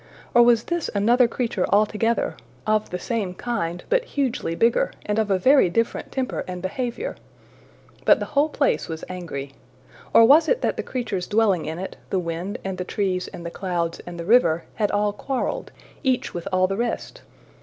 Or was this another creature altogether of the same kind, but hugely bigger, and of a very different temper and behavior? But the whole place was angry! Or was it that the creatures dwelling in it, the wind, and the trees, and the clouds, and the river, had all quarreled, each with all the rest?